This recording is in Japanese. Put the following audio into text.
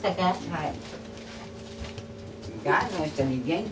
はい。